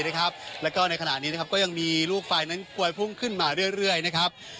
แล้วก็ในขณะนี้นะครับก็ยังมีลูกไฟนั้นกวยพุ่งขึ้นมาเรื่อยนะครับ